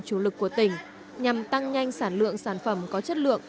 chủ lực của tỉnh nhằm tăng nhanh sản lượng sản phẩm có chất lượng